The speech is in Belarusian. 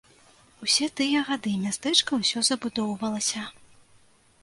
Усе тыя гады мястэчка ўсё забудоўвалася.